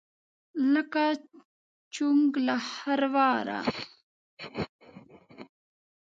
لکه: چونګ له خرواره.